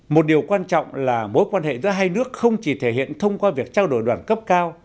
một điều quan trọng là mối quan hệ giữa hai nước không chỉ thể hiện thông qua việc trao đổi đoàn cấp cao